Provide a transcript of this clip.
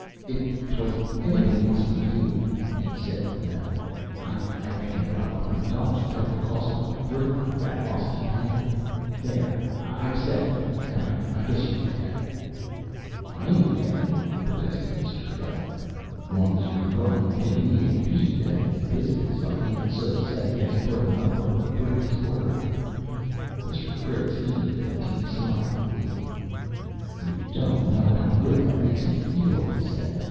"If 'twas anybody else but you," he said with an effort, "I'd make him put up a hundred dollars to cover the cost of a brick like that whilst he had it. There! I've said it, and I guess you're mad!" "I ain't mad," protested Mr. Gubb, "'long as you're goin' to pay me and Pete, and it's business; I ain't so set against puttin' up what the brick is worth." Mr. Critz heaved a deep sigh of relief. "You don't know how good that makes me feel," he said.